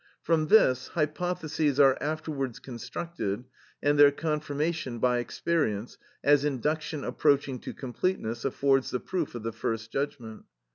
From this, hypotheses are afterwards constructed, and their confirmation by experience, as induction approaching to completeness, affords the proof of the first judgment.